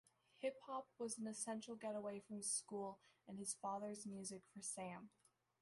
Hip-hop was an essential getaway from school and his father's music for Sam.